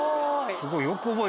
すごい。